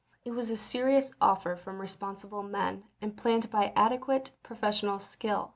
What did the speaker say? It was a serious offer from responsible men, L> p 119 and planned by adequate professional skill.